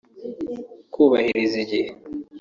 kubahiriza igihe